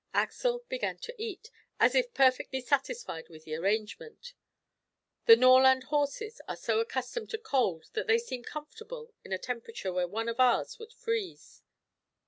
Axel began to eat, as if perfectly satisfied with the arrangement. The Norrland horses are so accustomed to cold that they seem comfortable in a temperature where one of ours would freeze.